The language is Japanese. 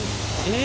え。